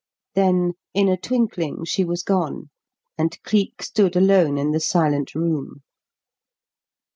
Then, in a twinkling she was gone, and Cleek stood alone in the silent room.